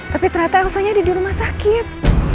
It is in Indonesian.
tapi ternyata elsanya ada di rumah sakit